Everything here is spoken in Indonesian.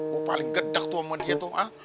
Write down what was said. gua paling gedek tuh sama dia tuh